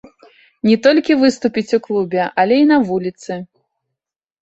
Не толькі выступіць у клубе, але і на вуліцы.